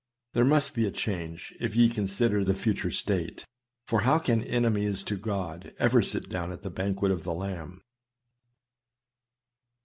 There must be a change, if ye consider the future state ; for how can enemies to God ever sit down at the banquet of the Lamb?